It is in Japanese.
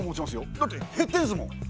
だって減ってんですもん。